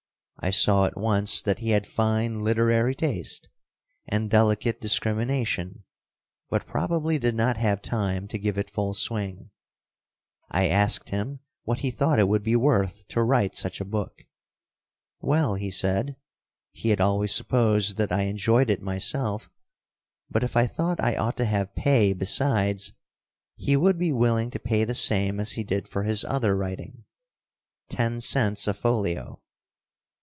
I saw at once that he had fine literary taste and delicate discrimination, but probably did not have time to give it full swing. I asked him what he thought it would be worth to write such a book. "Well," he said, he had always supposed that I enjoyed it myself, but if I thought I ought to have pay besides, he would be willing to pay the same as he did for his other writing ten cents a folio.